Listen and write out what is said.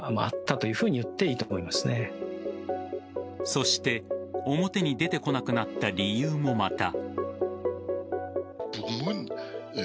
そして、表に出てこなくなった理由もまた。